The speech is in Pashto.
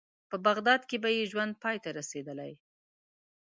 په بغداد کې به یې ژوند پای ته رسېدلی.